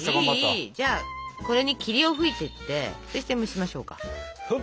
じゃあこれに霧を吹いてってそして蒸しましょうか。